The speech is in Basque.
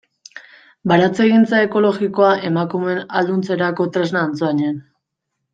Baratzegintza ekologikoa emakumeen ahalduntzerako tresna Antsoainen.